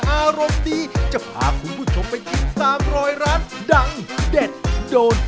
อารมณ์ดีจะพาคุณผู้ชมไปกินตามรอยร้านดังเด็ดโดน